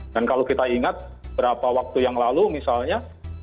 dan kalau kita ingat beberapa waktu yang lalu misalnya